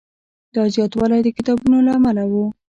دا زیاتوالی د کتابونو له امله و.